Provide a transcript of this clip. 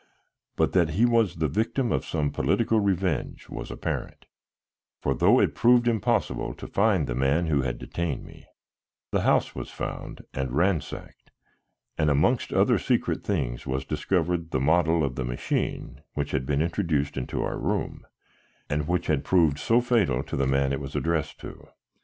But that he was the victim of some political revenge was apparent, for though it proved impossible to find the man who had detained me, the house was found and ransacked, and amongst other secret things was discovered the model of the machine which had been introduced into our room, and which had proved so fatal to the man it was addressed to.